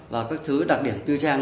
và các thứ đặc điểm tư trang